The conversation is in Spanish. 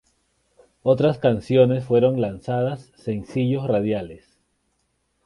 Otras canciones fueron lanzadas sencillos radiales.